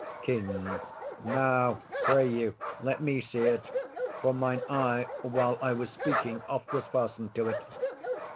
KING. Now, pray you, let me see it; for mine eye, While I was speaking, oft was fasten'd to it.